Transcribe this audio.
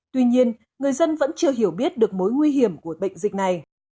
tuy nhiên người dân vẫn chưa hiểu biết được mối nguy hiểm của bệnh dịch này